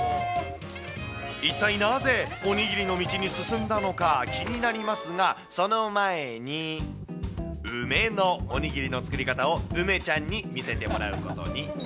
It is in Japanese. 一体なぜ、おにぎりの道に進んだのか気になりますが、その前に、梅のおにぎりの作り方を、梅ちゃんに見せてもらうことに。